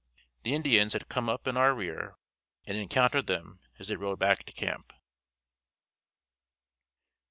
The Indians had come up in our rear and encountered them as they rode back to camp.